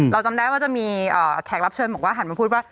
จำได้ว่าจะมีแขกรับเชิญบอกว่าหันมาพูดว่า